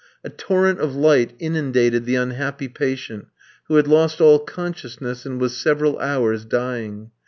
A torrent of light inundated the unhappy patient, who had lost all consciousness, and was several hours dying.